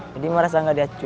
jadi merasa tidak diacu